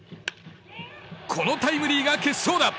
このタイムリーが決勝打。